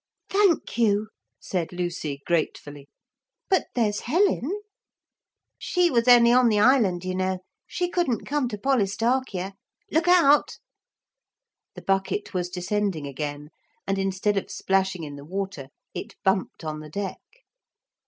'Thank you,' said Lucy gratefully. 'But there's Helen.' 'She was only on the Island, you know; she couldn't come to Polistarchia. Look out!' The bucket was descending again, and instead of splashing in the water it bumped on the deck.